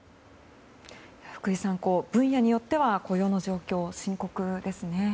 福井さん、分野によっては雇用の状況が深刻ですね。